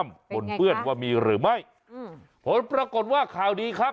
เป็นยังไงครับเป็นเพื่อนว่ามีหรือไม่ผมปรากฏว่าข่าวดีครับ